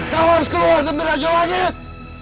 kau harus keluar dari raja langit